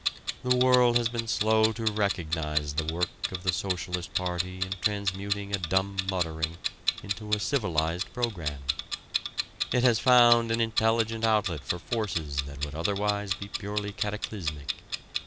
The world has been slow to recognize the work of the Socialist Party in transmuting a dumb muttering into a civilized program. It has found an intelligent outlet for forces that would otherwise be purely cataclysmic.